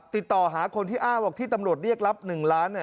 ติดต่อหาคนที่อ้างบอกที่ตำรวจเรียกรับ๑ล้าน